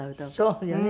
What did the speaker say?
そうよね。